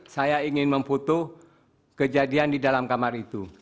saya ingin memputuh kejadian di dalam kamar itu